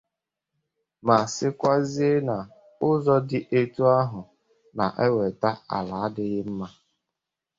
ma sikwazie n'ụzọ dị etu ahụ na-eweta ala adịghị mma.